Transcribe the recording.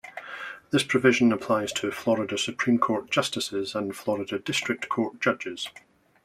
This provision applies to Florida Supreme Court justices and Florida District Court judges.